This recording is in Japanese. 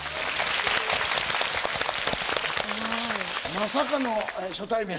まさかの初対面。